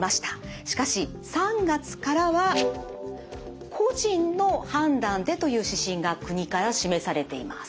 しかし３月からは個人の判断でという指針が国から示されています。